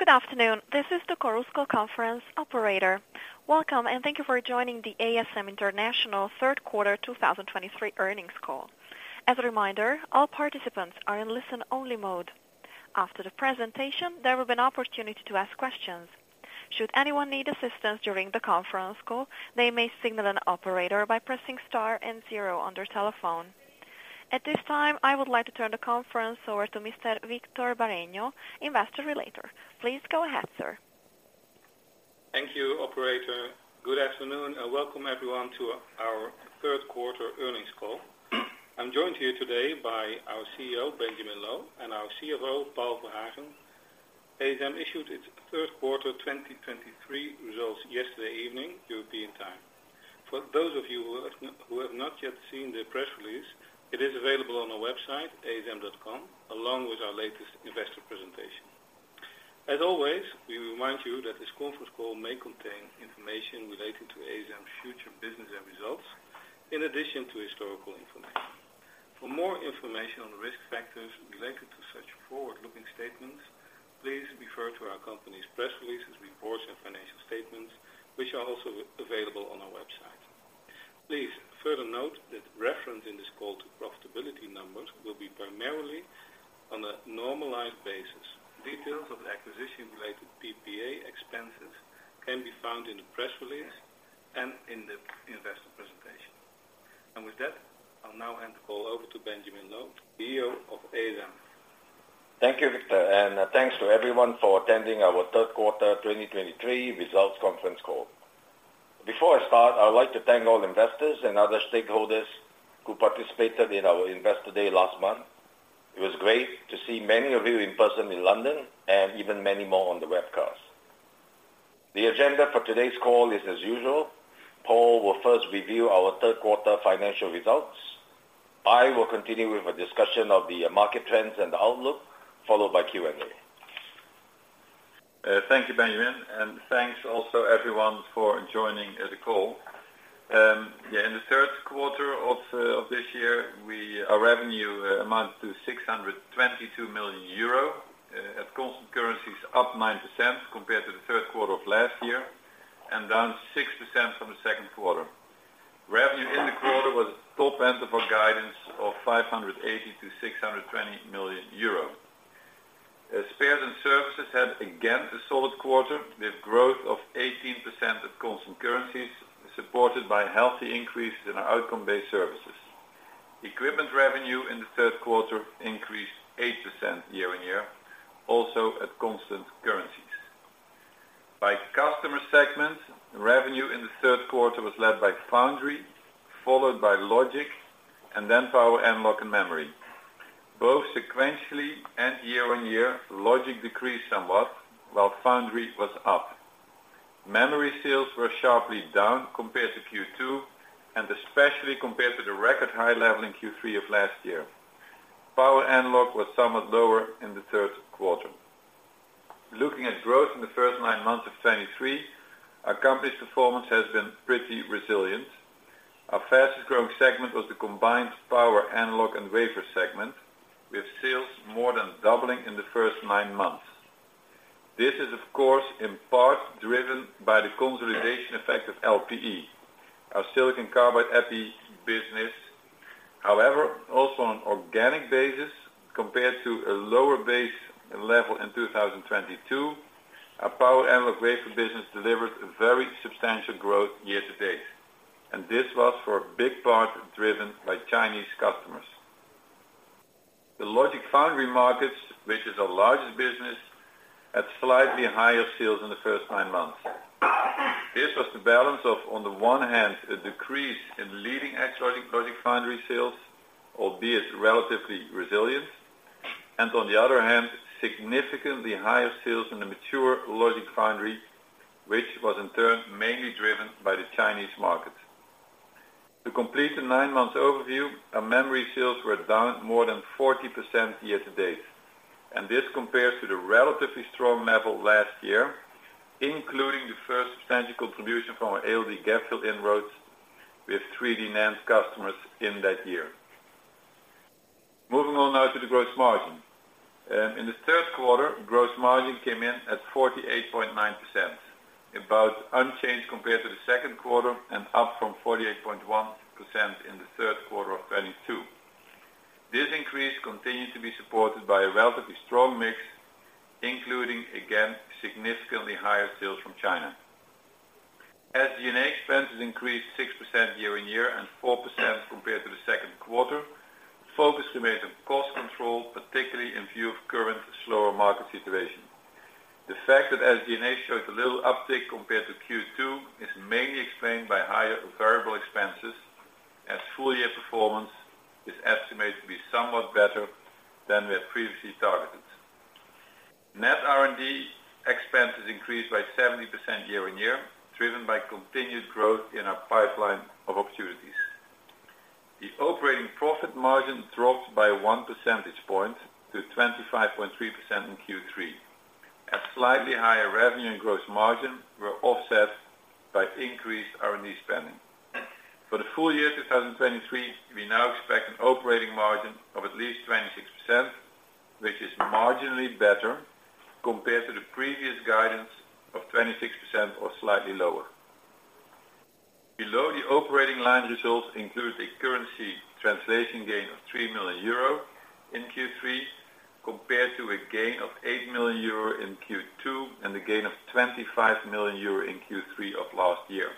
Good afternoon, this is the Chorus Call conference operator. Welcome, and thank you for joining the ASM International third quarter 2023 earnings call. As a reminder, all participants are in listen-only mode. After the presentation, there will be an opportunity to ask questions. Should anyone need assistance during the conference call, they may signal an operator by pressing star and zero on their telephone. At this time, I would like to turn the conference over to Mr. Victor Bareño, Investor Relations. Please go ahead, sir. Thank you, operator. Good afternoon, and welcome everyone to our third quarter earnings call. I'm joined here today by our CEO, Benjamin Loh, and our CFO, Paul Verhagen. ASM issued its third quarter 2023 results yesterday evening, European time. For those of you who have not yet seen the press release, it is available on our website, asm.com, along with our latest investor presentation. As always, we remind you that this conference call may contain information relating to ASM's future business and results, in addition to historical information. For more information on risk factors related to such forward-looking statements, please refer to our company's press releases, reports, and financial statements, which are also available on our website. Please, further note that reference in this call to profitability numbers will be primarily on a normalized basis. Details of the acquisition-related PPA expenses can be found in the press release and in the investor presentation. With that, I'll now hand the call over to Benjamin Loh, CEO of ASM. Thank you, Victor, and thanks to everyone for attending our third quarter 2023 results conference call. Before I start, I would like to thank all investors and other stakeholders who participated in our Investor Day last month. It was great to see many of you in person in London and even many more on the webcast. The agenda for today's call is as usual, Paul will first review our third quarter financial results. I will continue with a discussion of the market trends and outlook, followed by Q&A. Thank you, Benjamin, and thanks also everyone for joining the call. Yeah, in the third quarter of this year, our revenue amounted to 622 million euro at constant currencies, up 9% compared to the third quarter of last year, and down 6% from the second quarter. Revenue in the quarter was top end of our guidance of 580 million-622 million euros. As spares and services had, again, a solid quarter, with growth of 18% at constant currencies, supported by healthy increases in our outcome-based services. Equipment revenue in the third quarter increased 8% year-on-year, also at constant currencies. By customer segments, revenue in the third quarter was led by Foundry, followed by Logic, and then Power Analog and Memory. Both sequentially and year-on-year, Logic decreased somewhat, while Foundry was up. Memory sales were sharply down compared to Q2, and especially compared to the record high level in Q3 of last year. Power Analog was somewhat lower in the third quarter. Looking at growth in the first nine months of 2023, our company's performance has been pretty resilient. Our fastest growing segment was the combined Power Analog and Wafer segment, with sales more than doubling in the first nine months. This is, of course, in part driven by the consolidation effect of LPE, our silicon carbide EPI business. However, also on an organic basis, compared to a lower base level in 2022, our Power Analog Wafer business delivered a very substantial growth year to date, and this was for a big part driven by Chinese customers. The Logic Foundry markets, which is our largest business, had slightly higher sales in the first nine months. This was the balance of, on the one hand, a decrease in leading-edge Logic Foundry sales, albeit relatively resilient, and on the other hand, significantly higher sales in the mature Logic Foundry, which was in turn mainly driven by the Chinese market. To complete the nine-month overview, our memory sales were down more than 40% year to date, and this compares to the relatively strong level last year, including the first substantial contribution from our ALD gap fill inroads with three enhanced customers in that year. Moving on now to the gross margin. In the third quarter, gross margin came in at 48.9%, about unchanged compared to the second quarter and up from 48.1% in the third quarter of 2022. This increase continues to be supported by a relatively strong mix, including, again, significantly higher sales from China. As D&A expenses increased 6% year-on-year and 4% compared to the second quarter, focus remained on cost control, particularly in view of current slower market situation. The fact that SG&A showed a little uptick compared to Q2, is mainly explained by higher variable expenses, as full-year performance is estimated to be somewhat better than we had previously targeted. Net R&D expenses increased by 70% year-on-year, driven by continued growth in our pipeline of opportunities. The operating profit margin dropped by 1 percentage point to 25.3% in Q3. A slightly higher revenue and gross margin were offset by increased R&D spending. For the full year, 2023, we now expect an operating margin of at least 26%, which is marginally better compared to the previous guidance of 26% or slightly lower. Below the operating line, results include a currency translation gain of 3 million euro in Q3, compared to a gain of 8 million euro in Q2, and a gain of 25 million euro in Q3 of last year.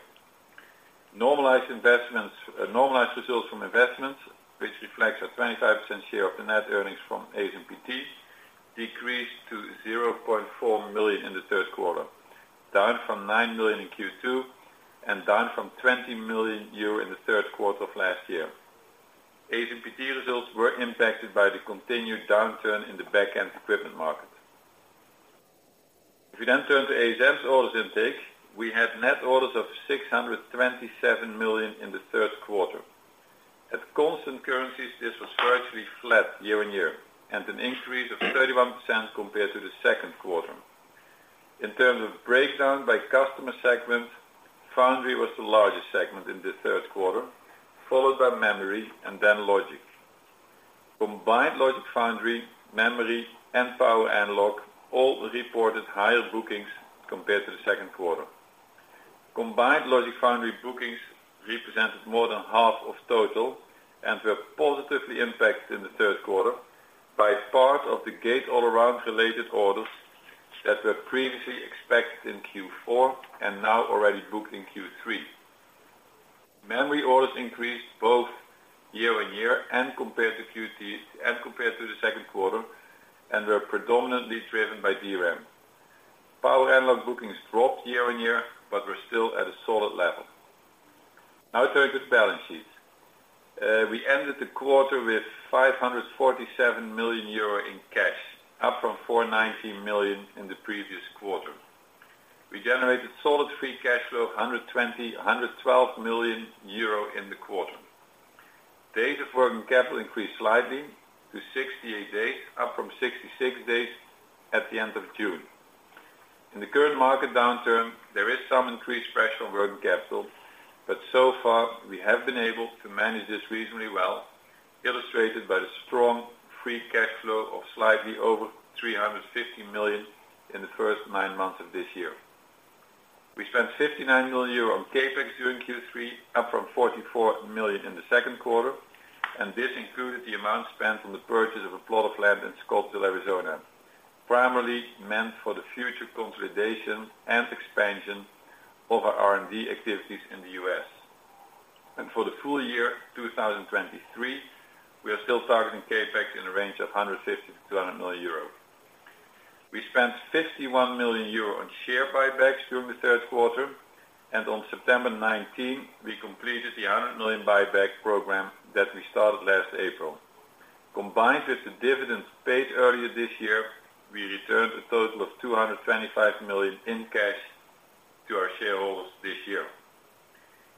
Normalized investments, normalized results from investments, which reflects a 25% share of the net earnings from ASMPT, decreased to 0.4 million in the third quarter, down from 9 million in Q2, and down from 20 million euro in the third quarter of last year. ASMPT results were impacted by the continued downturn in the back-end equipment market. If we then turn to ASM's orders intake, we had net orders of 627 million in the third quarter. At constant currencies, this was virtually flat year-on-year, and an increase of 31% compared to the second quarter. In terms of breakdown by customer segment, Foundry was the largest segment in the third quarter, followed by Memory, and then Logic. Combined Logic Foundry, Memory, and Power Analog, all reported higher bookings compared to the second quarter. Combined Logic Foundry bookings represented more than half of total, and were positively impacted in the third quarter by part of the Gate-All-Around related orders that were previously expected in Q4, and now already booked in Q3. Memory orders increased both year-on-year and compared to Q2s, and compared to the second quarter, and were predominantly driven by DRAM. Power Analog bookings dropped year-on-year, but were still at a solid level. Now turn to the balance sheet. We ended the quarter with 547 million euro in cash, up from 490 million in the previous quarter. We generated solid free cash flow of 112 million euro in the quarter. Days of working capital increased slightly to 68 days, up from 66 days at the end of June. In the current market downturn, there is some increased pressure on working capital, but so far, we have been able to manage this reasonably well, illustrated by the strong free cash flow of slightly over 350 million in the first nine months of this year. We spent 59 million euro on CapEx during Q3, up from 44 million in the second quarter, and this included the amount spent on the purchase of a plot of land in Scottsdale, Arizona, primarily meant for the future consolidation and expansion of our R&D activities in the U.S. For the full year, 2023, we are still targeting CapEx in the range of 150 million-200 million euros. We spent 51 million euros on share buybacks during the third quarter, and on September 19th, we completed the 100 million buyback program that we started last April. Combined with the dividends paid earlier this year, we returned a total of 225 million in cash to our shareholders this year.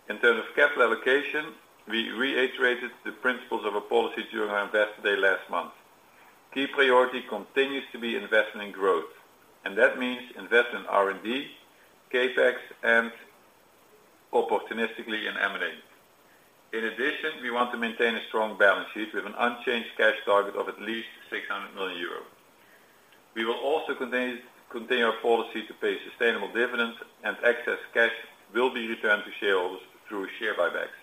In terms of capital allocation, we reiterated the principles of a policy during our Investor Day last month. Key priority continues to be investment in growth, and that means investment in R&D, CapEx, and opportunistically in M&A. In addition, we want to maintain a strong balance sheet with an unchanged cash target of at least 600 million euros. We will also continue our policy to pay sustainable dividends, and excess cash will be returned to shareholders through share buybacks.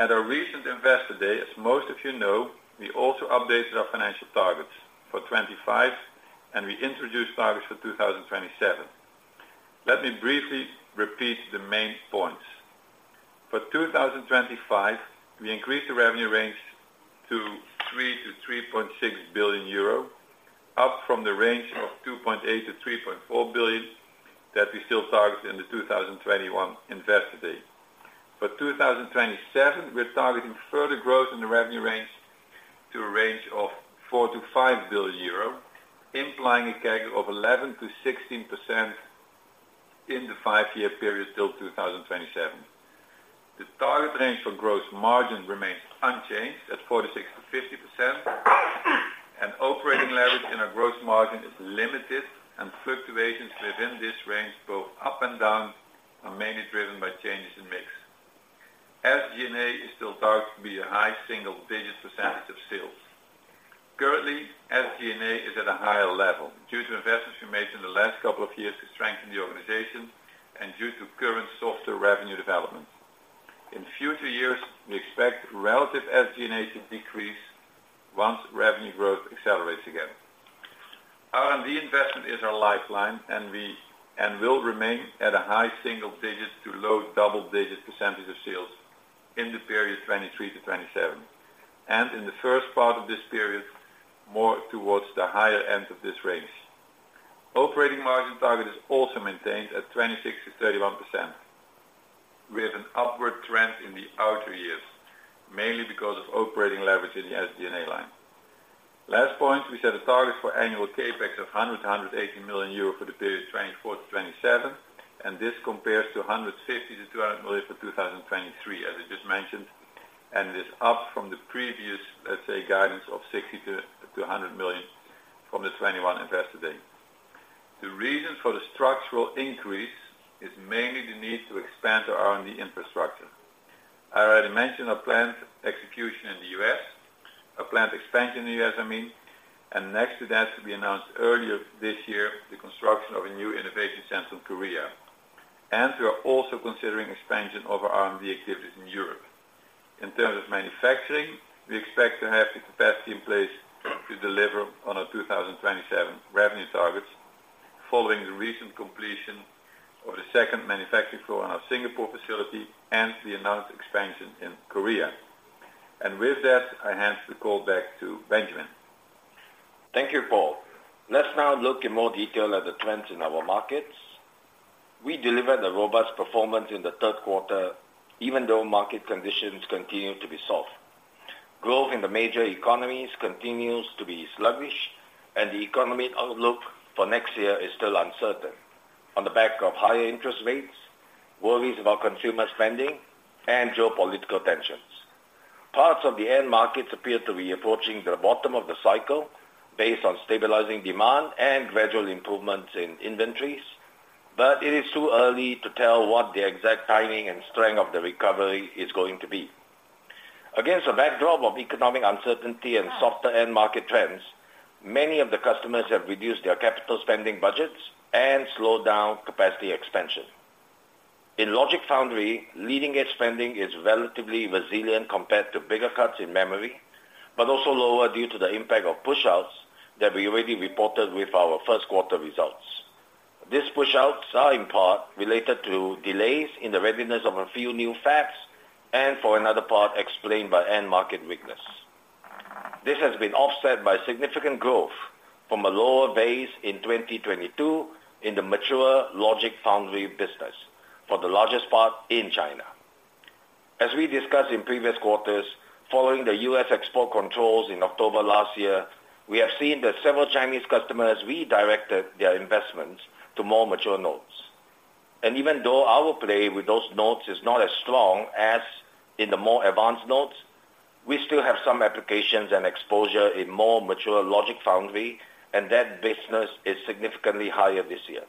At our recent Investor Day, as most of you know, we also updated our financial targets for 2025, and we introduced targets for 2027. Let me briefly repeat the main points. For 2025, we increased the revenue range to 3 billion-3.6 billion euro, up from the range of 2.8 billion-3.4 billion that we still targeted in the 2021 Investor Day. For 2027, we're targeting further growth in the revenue range to a range of 4 billion-5 billion euro, implying a CAGR of 11%-16% in the five-year period till 2027. The target range for gross margin remains unchanged at 46%-50%, and operating leverage in our gross margin is limited, and fluctuations within this range, both up and down, are mainly driven by changes in mix. SG&A is still targeted to be a high single-digit percentage of sales. Currently, SG&A is at a higher level due to investments we made in the last couple of years to strengthen the organization and due to current softer revenue development. In future years, we expect relative SG&A to decrease once revenue growth accelerates again. R&D investment is our lifeline, and will remain at a high single-digit to low double-digit percentage of sales in the period 2023-2027, and in the first part of this period, more towards the higher end of this range. Operating margin target is also maintained at 26%-31%, with an upward trend in the outer years, mainly because of operating leverage in the SG&A line. Last point, we set a target for annual CapEx of 100-180 million euro for the period 2024-2027, and this compares to 150-200 million for 2023, as I just mentioned, and is up from the previous, let's say, guidance of 60-100 million from the 2021 Investor Day. The reason for the structural increase is mainly the need to expand our R&D infrastructure. I already mentioned our planned execution in the U.S., our planned expansion in the U.S., I mean, and next to that, to be announced earlier this year, the construction of a new innovation center in Korea. And we are also considering expansion of our R&D activities in Europe. In terms of manufacturing, we expect to have the capacity in place to deliver on our 2027 revenue targets, following the recent completion of the second manufacturing floor on our Singapore facility and the announced expansion in Korea. And with that, I hand the call back to Benjamin. Thank you, Paul. Let's now look in more detail at the trends in our markets. We delivered a robust performance in the third quarter, even though market conditions continued to be soft. Growth in the major economies continues to be sluggish, and the economy outlook for next year is still uncertain, on the back of higher interest rates, worries about consumer spending, and geopolitical tensions. Parts of the end markets appear to be approaching the bottom of the cycle, based on stabilizing demand and gradual improvements in inventories, but it is too early to tell what the exact timing and strength of the recovery is going to be. Against a backdrop of economic uncertainty and softer end market trends, many of the customers have reduced their capital spending budgets and slowed down capacity expansion. In logic foundry, leading-edge spending is relatively resilient compared to bigger cuts in memory, but also lower due to the impact of pushouts that we already reported with our first quarter results. These pushouts are, in part, related to delays in the readiness of a few new fabs, and for another part, explained by end market weakness. This has been offset by significant growth from a lower base in 2022 in the mature logic foundry business, for the largest part in China. As we discussed in previous quarters, following the U.S. export controls in October last year, we have seen that several Chinese customers redirected their investments to more mature nodes. Even though our play with those nodes is not as strong as in the more advanced nodes, we still have some applications and exposure in more mature logic foundry, and that business is significantly higher this year.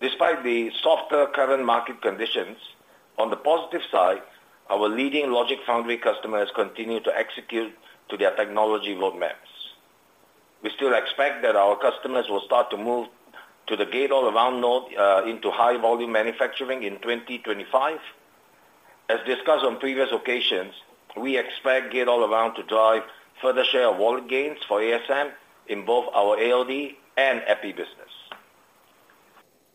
Despite the softer current market conditions, on the positive side, our leading Logic Foundry customers continue to execute to their technology roadmaps. We still expect that our customers will start to move to the gate-all-around node into high volume manufacturing in 2025. As discussed on previous occasions, we expect gate-all-around to drive further share of wallet gains for ASM in both our ALD and EPI business.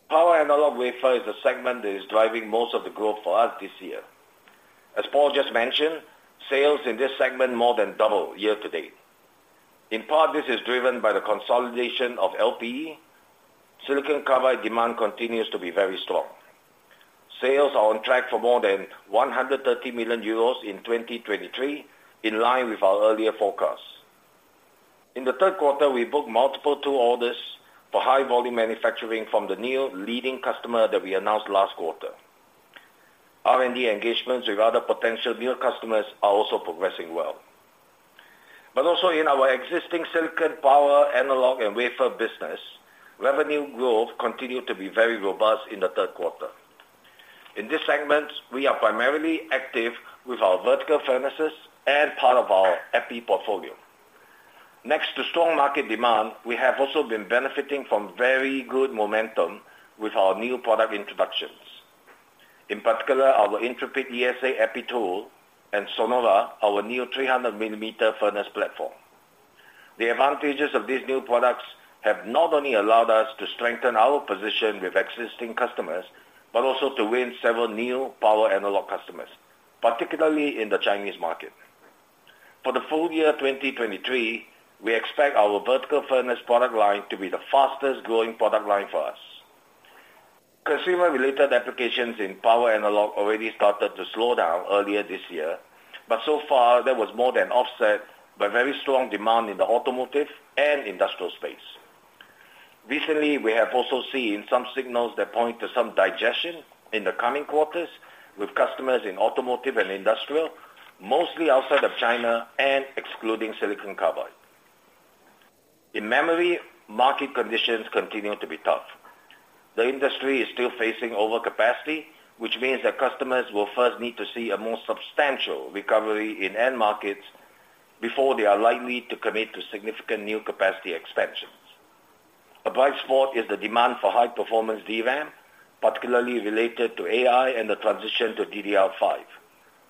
Power analog wafer is a segment that is driving most of the growth for us this year. As Paul just mentioned, sales in this segment more than double year to date. In part, this is driven by the consolidation of LPE. Silicon carbide demand continues to be very strong. Sales are on track for more than 130 million euros in 2023, in line with our earlier forecast. In the third quarter, we booked multiple tool orders for high volume manufacturing from the new leading customer that we announced last quarter. R&D engagements with other potential new customers are also progressing well. But also in our existing silicon power, analog, and wafer business, revenue growth continued to be very robust in the third quarter. In this segment, we are primarily active with our vertical furnaces and part of our EPI portfolio. Next to strong market demand, we have also been benefiting from very good momentum with our new product introductions. In particular, our Intrepid ES EPI tool and Sonora, our new 300 millimeter furnace platform. The advantages of these new products have not only allowed us to strengthen our position with existing customers, but also to win several new power analog customers, particularly in the Chinese market. For the full year 2023, we expect our vertical furnace product line to be the fastest growing product line for us. Consumer-related applications in power analog already started to slow down earlier this year, but so far that was more than offset by very strong demand in the automotive and industrial space. Recently, we have also seen some signals that point to some digestion in the coming quarters with customers in automotive and industrial, mostly outside of China and excluding silicon carbide. In memory, market conditions continue to be tough. The industry is still facing overcapacity, which means that customers will first need to see a more substantial recovery in end markets before they are likely to commit to significant new capacity expansions. A bright spot is the demand for high-performance DRAM, particularly related to AI and the transition to DDR5.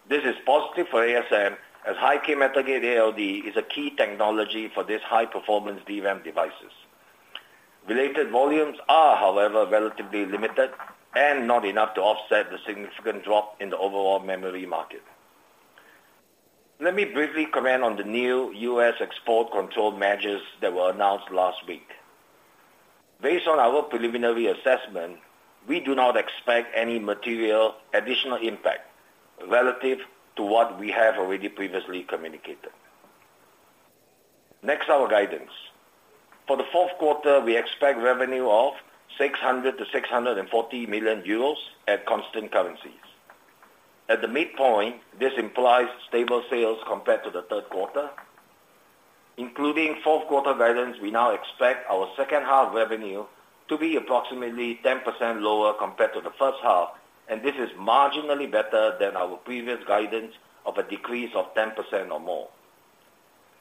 This is positive for ASM, as high-k metal gate ALD is a key technology for these high-performance DRAM devices. Related volumes are, however, relatively limited and not enough to offset the significant drop in the overall memory market. Let me briefly comment on the new U.S. export control measures that were announced last week. Based on our preliminary assessment, we do not expect any material additional impact relative to what we have already previously communicated. Next, our guidance. For the fourth quarter, we expect revenue of 600 million-640 million euros at constant currencies. At the midpoint, this implies stable sales compared to the third quarter. Including fourth quarter guidance, we now expect our second half revenue to be approximately 10% lower compared to the first half, and this is marginally better than our previous guidance of a decrease of 10% or more.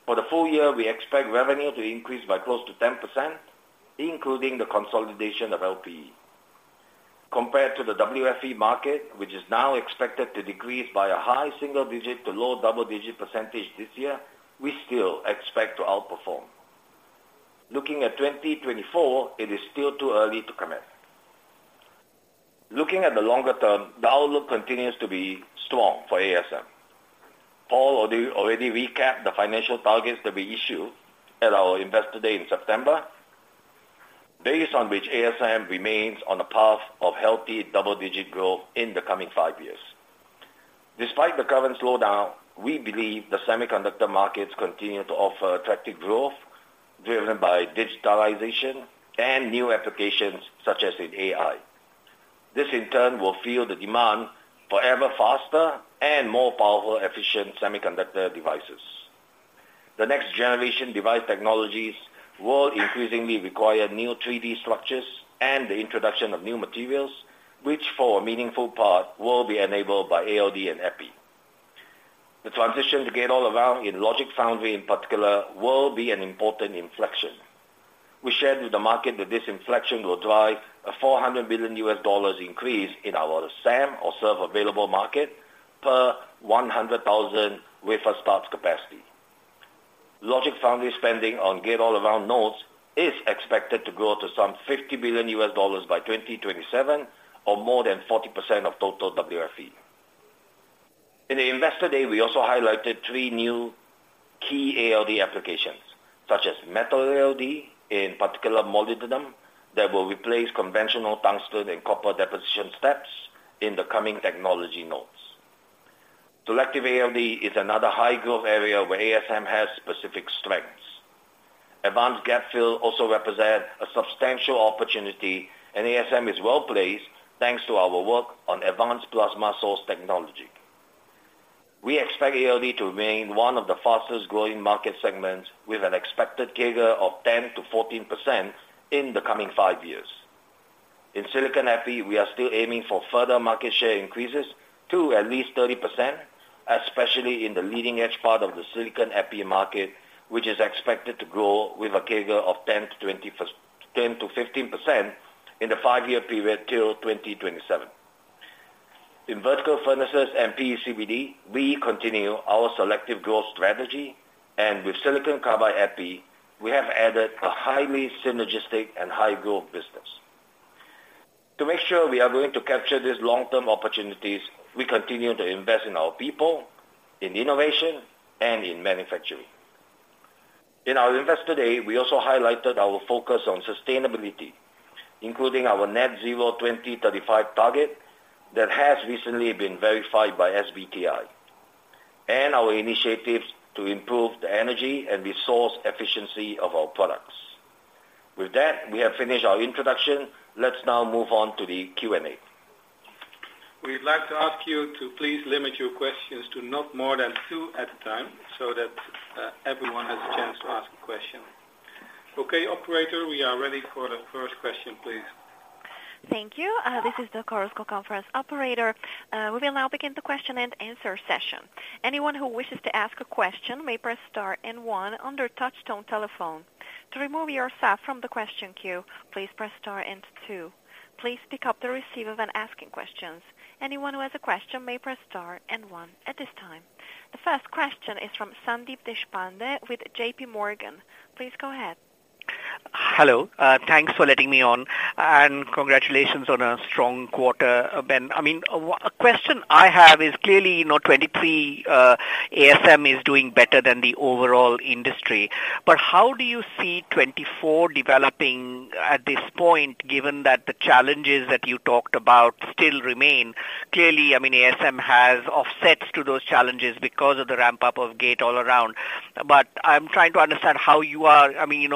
For the full year, we expect revenue to increase by close to 10%, including the consolidation of LPE. Compared to the WFE market, which is now expected to decrease by a high single-digit to low double-digit % this year, we still expect to outperform. Looking at 2024, it is still too early to comment. Looking at the longer term, the outlook continues to be strong for ASM. Paul already recapped the financial targets that we issued at our Investor Day in September, based on which ASM remains on a path of healthy double-digit growth in the coming five years. Despite the current slowdown, we believe the semiconductor markets continue to offer attractive growth, driven by digitalization and new applications, such as in AI. This, in turn, will fuel the demand for ever faster and more powerful, efficient semiconductor devices. The next generation device technologies will increasingly require new 3D structures and the introduction of new materials, which for a meaningful part, will be enabled by ALD and EPI. The transition to gate-all-around in logic foundry, in particular, will be an important inflection. We shared with the market that this inflection will drive a $400 billion increase in our SAM or serviceable available market per 100,000 wafer starts capacity. Logic foundry spending on gate-all-around nodes is expected to grow to some $50 billion by 2027, or more than 40% of total WFE. In the Investor Day, we also highlighted three new key ALD applications, such as metal ALD, in particular, molybdenum, that will replace conventional tungsten and copper deposition steps in the coming technology nodes. Selective ALD is another high-growth area where ASM has specific strengths. Advanced gap fill also represents a substantial opportunity, and ASM is well placed, thanks to our work on advanced plasma source technology. We expect ALD to remain one of the fastest growing market segments, with an expected CAGR of 10%-14% in the coming five years. In silicon EPI, we are still aiming for further market share increases to at least 30%, especially in the leading edge part of the silicon EPI market, which is expected to grow with a CAGR of 10%-15% in the five-year period till 2027. In vertical furnaces and PECVD, we continue our selective growth strategy, and with silicon carbide EPI, we have added a highly synergistic and high-growth business. To make sure we are going to capture these long-term opportunities, we continue to invest in our people, in innovation, and in manufacturing. In our Investor Day, we also highlighted our focus on sustainability, including our net zero 2035 target that has recently been verified by SBTi, and our initiatives to improve the energy and resource efficiency of our products. With that, we have finished our introduction. Let's now move on to the Q&A. We'd like to ask you to please limit your questions to not more than two at a time, so that everyone has a chance to ask a question. Okay, operator, we are ready for the first question, please. Thank you. This is the Chorus Call conference operator. We will now begin the question-and-answer session. Anyone who wishes to ask a question may press star and one on their touchtone telephone. To remove yourself from the question queue, please press star and two. Please pick up the receiver when asking questions. Anyone who has a question may press star and one at this time. The first question is from Sandeep Deshpande with JPMorgan. Please go ahead. Hello. Thanks for letting me on, and congratulations on a strong quarter, Ben. I mean, a question I have is clearly, you know, 2023, ASM is doing better than the overall industry. But how do you see 2024 developing at this point, given that the challenges that you talked about still remain? Clearly, I mean, ASM has offsets to those challenges because of the ramp-up of gate-all-around. But I'm trying to understand how you are... I mean, you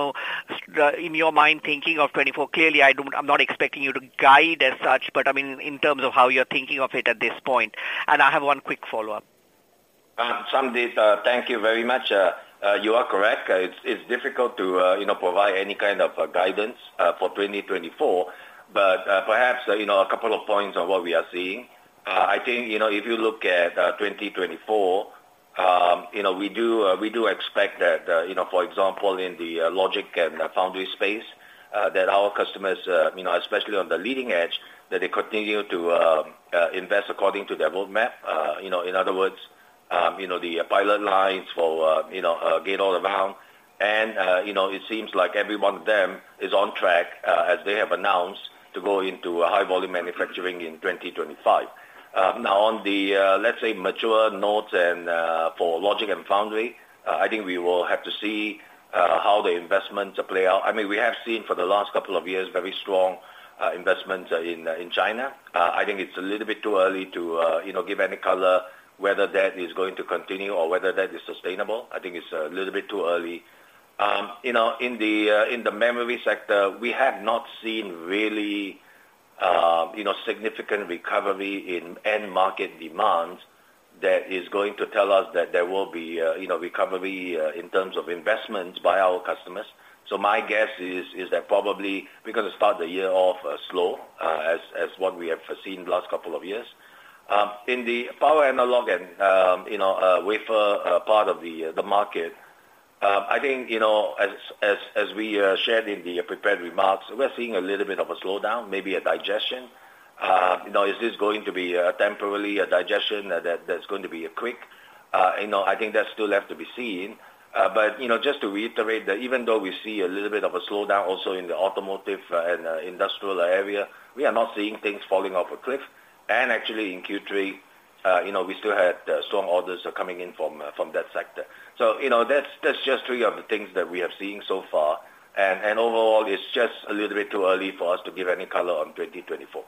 know, in your mind, thinking of 2024. Clearly, I don't-- I'm not expecting you to guide as such, but, I mean, in terms of how you're thinking of it at this point. And I have one quick follow-up. Sandeep, thank you very much. You are correct. It's difficult to, you know, provide any kind of guidance for 2024. But, perhaps, you know, a couple of points on what we are seeing. I think, you know, if you look at 2024, you know, we do, we do expect that, you know, for example, in the logic and foundry space, that our customers, you know, especially on the leading edge, that they continue to invest according to their roadmap. You know, in other words, you know, the pilot lines for, you know, Gate-All-Around. And, you know, it seems like every one of them is on track, as they have announced, to go into a high volume manufacturing in 2025. Now, on the, let's say, mature nodes and, for logic and foundry, I think we will have to see how the investments play out. I mean, we have seen for the last couple of years, very strong investment in China. I think it's a little bit too early to, you know, give any color whether that is going to continue or whether that is sustainable. I think it's a little bit too early. You know, in the memory sector, we have not seen really, you know, significant recovery in end market demand that is going to tell us that there will be, you know, recovery in terms of investments by our customers. So my guess is that probably we're going to start the year off slow, as what we have foreseen the last couple of years. In the power analog and, you know, wafer part of the market, I think, you know, as we shared in the prepared remarks, we're seeing a little bit of a slowdown, maybe a digestion. You know, is this going to be temporarily a digestion that's going to be a quick? You know, I think that's still left to be seen. But, you know, just to reiterate, that even though we see a little bit of a slowdown also in the automotive and industrial area, we are not seeing things falling off a cliff. Actually, in Q3, you know, we still had strong orders coming in from that sector. So, you know, that's just three of the things that we have seen so far. And overall, it's just a little bit too early for us to give any color on 2024.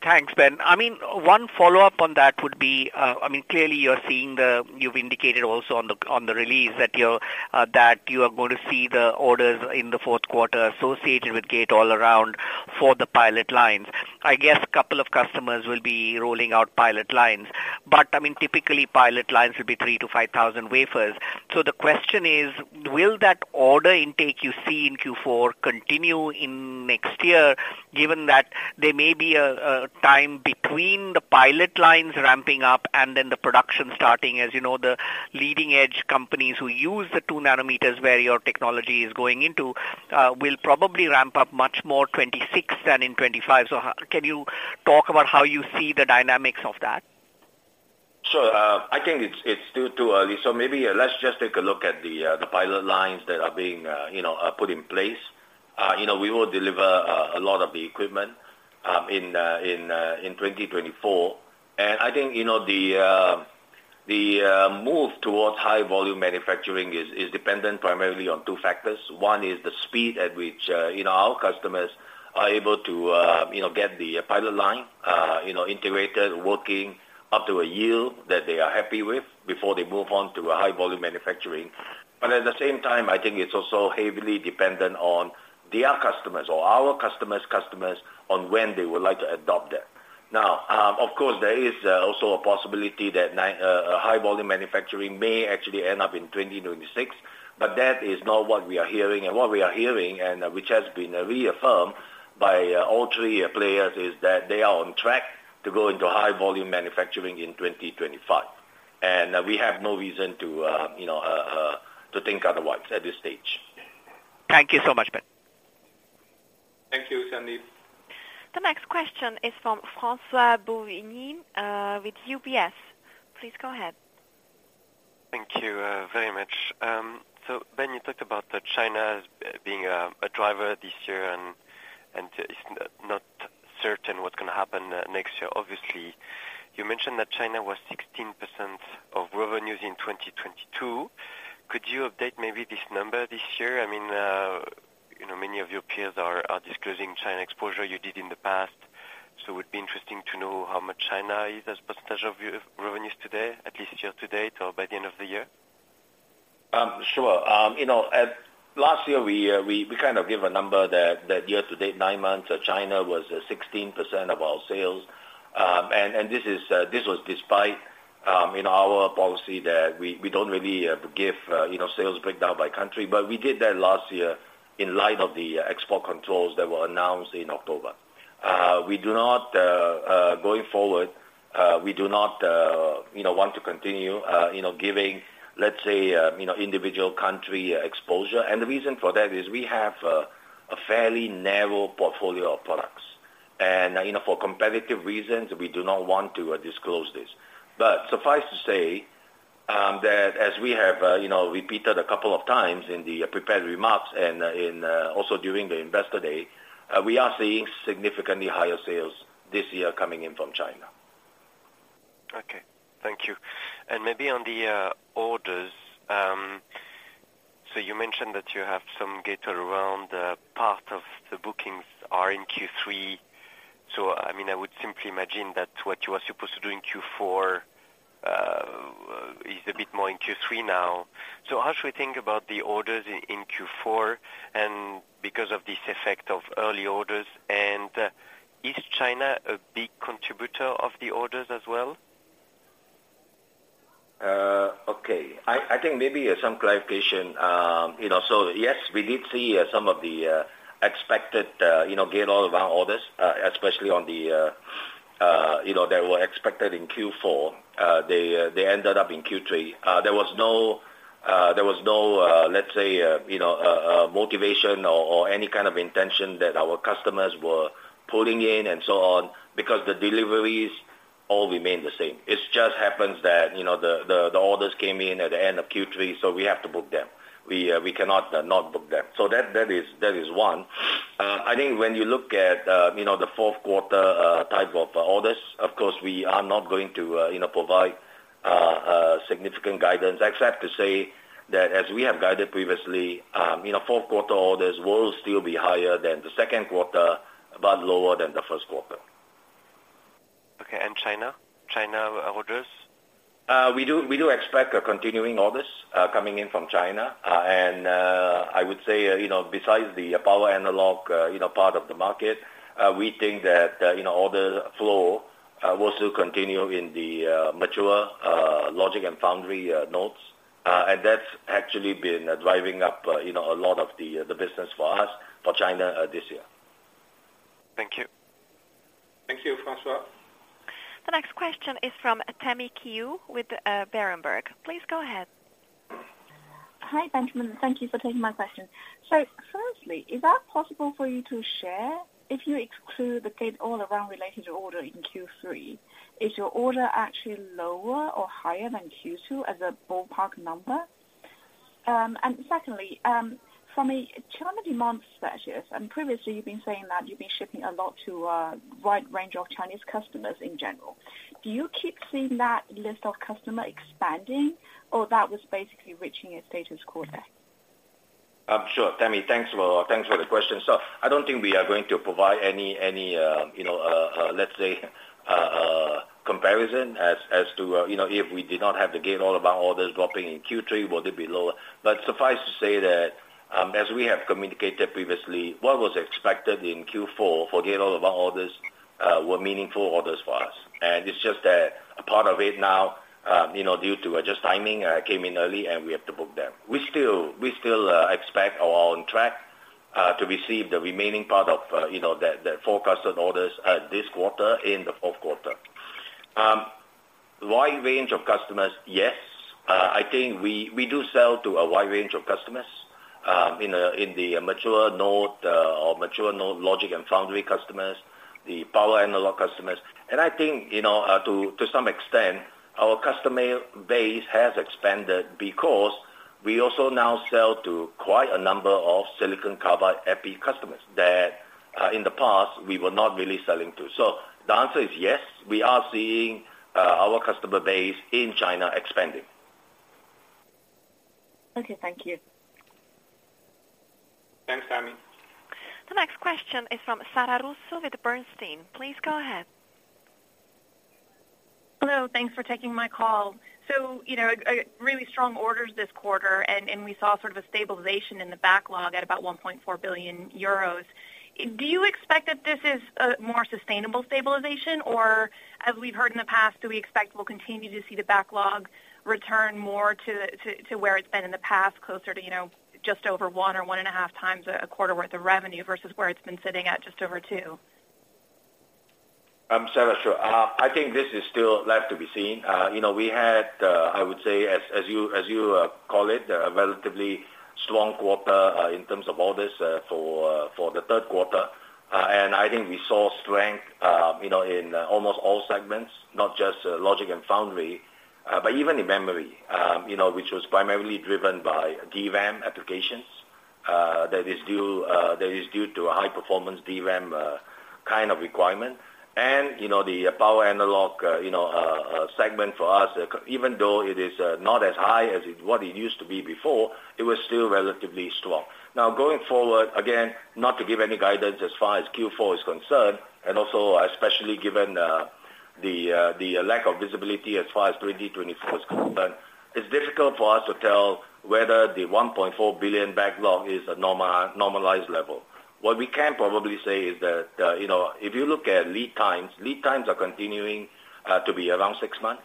Thanks, Ben. I mean, one follow-up on that would be, I mean, clearly you're seeing the. You've indicated also on the, on the release that you're, that you are going to see the orders in the fourth quarter associated with Gate-All-Around for the pilot lines. I guess a couple of customers will be rolling out pilot lines, but, I mean, typically, pilot lines will be 3,000-5,000 wafers. So the question is, will that order intake you see in Q4 continue in next year, given that there may be a time between the pilot lines ramping up and then the production starting? As you know, the leading edge companies who use the two nanometers, where your technology is going into, will probably ramp up much more 2026 than in 2025.So how can you talk about how you see the dynamics of that? Sure. I think it's still too early. So maybe let's just take a look at the pilot lines that are being put in place. You know, we will deliver a lot of the equipment in 2024. And I think, you know, the move towards high volume manufacturing is dependent primarily on two factors. One is the speed at which our customers are able to get the pilot line integrated, working up to a yield that they are happy with before they move on to a high volume manufacturing. But at the same time, I think it's also heavily dependent on their customers or our customers, customers on when they would like to adopt that. Now, of course, there is also a possibility that high volume manufacturing may actually end up in 2026, but that is not what we are hearing. And what we are hearing, and which has been reaffirmed by all three players, is that they are on track to go into high volume manufacturing in 2025. And we have no reason to, you know, to think otherwise at this stage. Thank you so much, Ben. Thank you, Sandeep. The next question is from François Bouvignies, with UBS. Please go ahead. Thank you, very much. So Ben, you talked about the China as being a driver this year, and it's not certain what's gonna happen next year. Obviously, you mentioned that China was 16% of revenues in 2022. Could you update maybe this number this year? I mean, you know, many of your peers are disclosing China exposure you did in the past, so it would be interesting to know how much China is as percentage of your revenues today, at least year to date or by the end of the year. Sure. You know, at last year, we kind of gave a number that year to date, nine months, China was 16% of our sales. This was despite, you know, our policy that we don't really give you know, sales breakdown by country, but we did that last year in light of the export controls that were announced in October. We do not. Going forward, we do not, you know, want to continue, you know, giving, let's say, you know, individual country exposure. The reason for that is we have a fairly narrow portfolio of products. You know, for competitive reasons, we do not want to disclose this. Suffice to say that as we have, you know, repeated a couple of times in the prepared remarks and also during the Investor Day, we are seeing significantly higher sales this year coming in from China. Okay. Thank you. And maybe on the orders, so you mentioned that you have some gate around part of the bookings are in Q3. So, I mean, I would simply imagine that what you were supposed to do in Q4 is a bit more in Q3 now. So how should we think about the orders in Q4, and because of this effect of early orders, and is China a big contributor of the orders as well? Okay. I think maybe some clarification. You know, so yes, we did see some of the expected, you know, Gate-All-Around orders, especially on the, you know, that were expected in Q4. They ended up in Q3. There was no, there was no, let's say, you know, motivation or any kind of intention that our customers were pulling in and so on, because the deliveries all remained the same. It just happens that, you know, the orders came in at the end of Q3, so we have to book them. We cannot not book them. So that is one. I think when you look at, you know, the fourth quarter type of orders, of course, we are not going to, you know, provide significant guidance, except to say that as we have guided previously, you know, fourth quarter orders will still be higher than the second quarter, but lower than the first quarter. China, China orders? We do, we do expect a continuing orders coming in from China. I would say, you know, besides the power analog, you know, part of the market, we think that, you know, order flow will still continue in the mature logic and foundry nodes. That's actually been driving up, you know, a lot of the business for us for China this year. Thank you. Thank you, Francois. The next question is from Tammy Qiu with Berenberg. Please go ahead. Hi, Benjamin. Thank you for taking my question. So firstly, is that possible for you to share, if you exclude the gate all around related order in Q3, is your order actually lower or higher than Q2 as a ballpark number? And secondly, from a China demand perspective, and previously you've been saying that you've been shipping a lot to a wide range of Chinese customers in general. Do you keep seeing that list of customers expanding or that was basically reaching a status quo there? Sure, Tammy, thanks for, thanks for the question. So I don't think we are going to provide any, you know, let's say, comparison as to, you know, if we did not have the GenAI orders dropping in Q3, would it be lower? But suffice to say that, as we have communicated previously, what was expected in Q4 for GenAI orders were meaningful orders for us. And it's just that a part of it now, you know, due to just timing, came in early, and we have to book them. We still expect or on track to receive the remaining part of, you know, the forecasted orders this quarter in the fourth quarter. Wide range of customers, yes. I think we do sell to a wide range of customers in the mature node or mature node logic and foundry customers, the power analog customers. And I think, you know, to some extent, our customer base has expanded because we also now sell to quite a number of silicon carbide epi customers that in the past we were not really selling to. So the answer is yes, we are seeing our customer base in China expanding. Okay, thank you. Thanks, Tammy. The next question is from Sara Russo with Bernstein. Please go ahead. Hello, thanks for taking my call. So, you know, a really strong orders this quarter, and we saw sort of a stabilization in the backlog at about 1.4 billion euros. Do you expect that this is a more sustainable stabilization? Or as we've heard in the past, do we expect we'll continue to see the backlog return more to where it's been in the past, closer to, you know, just over one or 1.5 times a quarter worth of revenue versus where it's been sitting at just over two? Sara, sure. I think this is still left to be seen. You know, we had, I would say, as you call it, a relatively strong quarter in terms of orders for the third quarter. And I think we saw strength, you know, in almost all segments, not just logic and foundry, but even in memory, you know, which was primarily driven by DRAM applications, that is due to a high-performance DRAM kind of requirement. And, you know, the power analog, you know, segment for us, even though it is not as high as what it used to be before, it was still relatively strong. Now, going forward, again, not to give any guidance as far as Q4 is concerned, and also especially given the lack of visibility as far as 2024 is concerned, it's difficult for us to tell whether the 1.4 billion backlog is a normalized level. What we can probably say is that, you know, if you look at lead times, lead times are continuing to be around 6 months.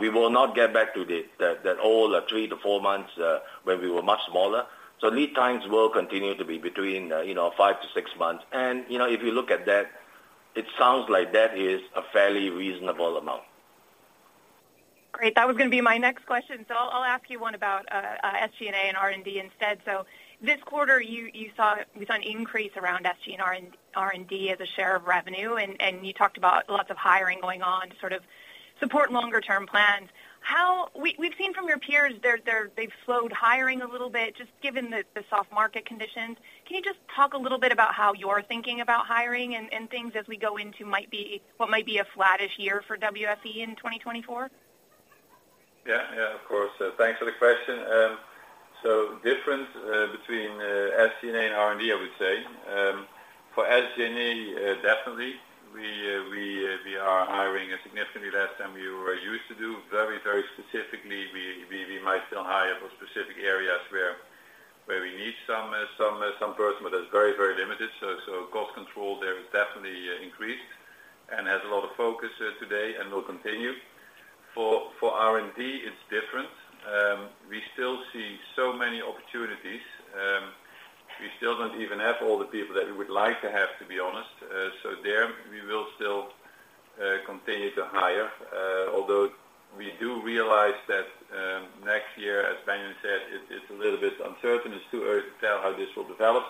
We will not get back to the, that old 3-4 months when we were much smaller. So lead times will continue to be between, you know, 5-6 months. And, you know, if you look at that, it sounds like that is a fairly reasonable amount. Great. That was gonna be my next question. So I'll, I'll ask you one about SG&A and R&D instead. So this quarter, you, you saw, we saw an increase around SG and R&D, R&D as a share of revenue, and, and you talked about lots of hiring going on to sort of support longer-term plans. We've seen from your peers, they're, they've slowed hiring a little bit, just given the soft market conditions. Can you just talk a little bit about how you're thinking about hiring and things as we go into what might be a flattish year for WFE in 2024? Yeah, yeah, of course. Thanks for the question. So different between SG&A and R&D, I would say. For SG&A, definitely, we are hiring significantly less than we were used to do. Very specifically, we might still hire for specific areas where we need some person, but that's very limited. So cost control there is definitely increased and has a lot of focus today and will continue. For R&D, it's different. We still see so many opportunities. We still don't even have all the people that we would like to have, to be honest. So there we will still continue to hire, although we do realize that next year, as Benjamin said, it's a little bit uncertain. It's too early to tell how this will develop,